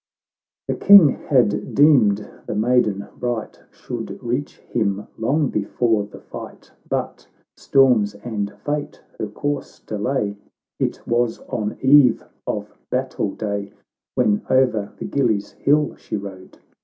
The King had deemed the maiden bright Should reach him long before the fight, But storms and fate her course delay : It was on eve of battle day, When o'er the Gillie's hill she rode.